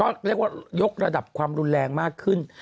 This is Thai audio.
เรียกว่ายกระดับความรุนแรงมากขึ้น